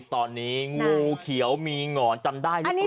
ตอนนี้งูเขียวมีหงอนจำได้หรือเปล่า